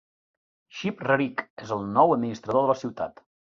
Chip Rerig és el nou administrador de la ciutat.